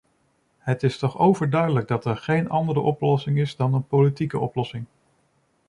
Het is toch overduidelijk dat er geen andere oplossing is dan een politieke oplossing.